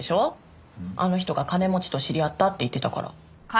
あの人が「金持ちと知り合った」って言ってたから。